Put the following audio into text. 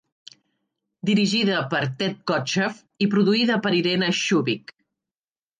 Dirigida per Ted Kotcheff i produïda per Irene Shubik.